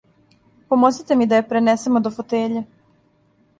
Помозите ми да је пренесемо до фотеље.